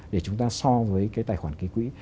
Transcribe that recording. để chúng ta so với cái tài khoản ký quỹ